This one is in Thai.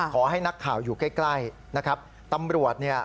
ขอให้นักข่าวอยู่ใกล้ใกล้นะครับตำรวจเนี่ย